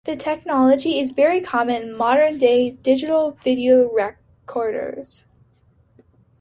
This technology is very common in modern-day digital video recorders.